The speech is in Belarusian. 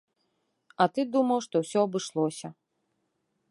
А ты думаў, што ўсё абышлося.